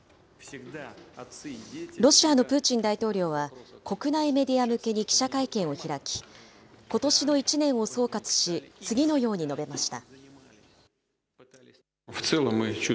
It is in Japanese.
ロシアのプーチン大統領は、国内メディア向けに記者会見を開き、ことしの１年を総括し、次のように述べました。